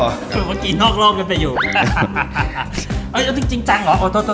แล้วเดี๋ยวเมื่อกี้นอกโล่เห็นไปอยู่เอ้าจริงจังเหรอออกโทษโทษโทษ